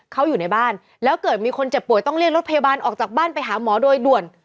เขาอยู่ในบ้านแล้วเกิดมีคนเจ็บป่วยต้องเรียกรถพยาบาลออกจากบ้านไปหาหมอโดยด่วน